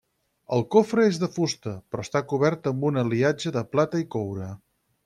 El cofre és de fusta, però està cobert amb un aliatge de plata i coure.